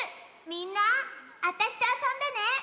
みんなあたしとあそんでね！